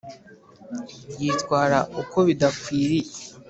yitwara uko bidakwiriye.